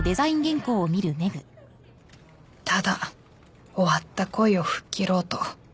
ただ終わった恋を吹っ切ろうと。